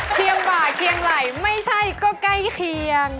บ่าเคียงไหล่ไม่ใช่ก็ใกล้เคียง